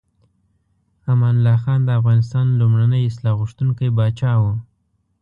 امان الله خان د افغانستان لومړنی اصلاح غوښتونکی پاچا و.